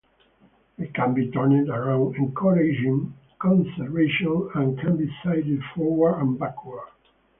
They can be turned around, encouraging conversation and can be sided forward and backward.